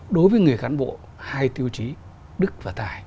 đối với người cán bộ hai tiêu chí đức và tài